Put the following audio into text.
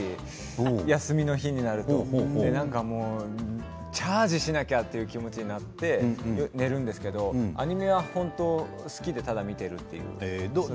休みの日になるとチャージしなくちゃという気持ちになっているんですけどアニメは本当に好きで見ているというだけなんですけど。